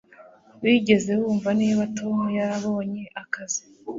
wigeze wumva niba tom yarabonye akazi